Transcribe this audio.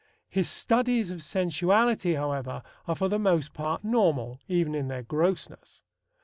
His studies of sensuality, however, are for the most part normal, even in their grossness.